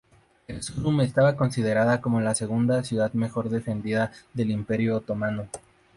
Erzurum estaba considerada como la segunda ciudad mejor defendida del Imperio otomano.